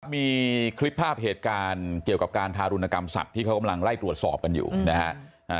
มีคลิปภาพเหตุการณ์เกี่ยวกับการทารุณกรรมสัตว์ที่เขากำลังไล่ตรวจสอบกันอยู่นะฮะ